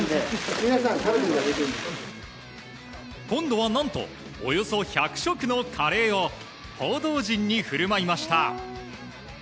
今度は何とおよそ１００食のカレーを報道陣に振る舞いました。